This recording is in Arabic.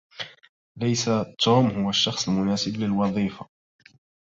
ليس توم هو الشخص المناسب للوظيفة.